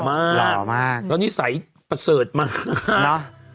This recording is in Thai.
แล้วนี่ใส่ประเสริฐมาก